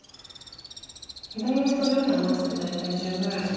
左上と上辺合わせて大体１０ぐらいと。